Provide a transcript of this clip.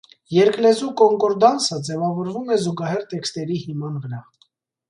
Երկլեզու կոնկորդանսը ձևավորվում է զուգահեռ տեքստերի հիման վրա։